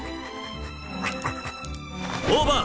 オーバー！